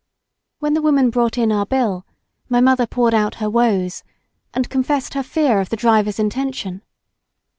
When the woman brought in our bill, my mother poured out her woes, and confessed her fear of the driver's intention.